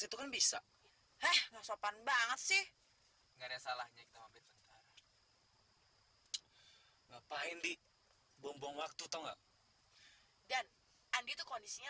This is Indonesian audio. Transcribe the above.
itu kan bisa eh ngasopan banget sih ngapain di bom bom waktu tahu nggak dan andi itu kondisinya